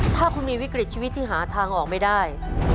ถ้าคุณมีวิกฤตชีวิตที่หาทางออกไม่ได้